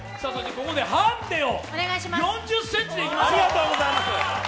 ここでハンデを、４０ｃｍでいきましょう。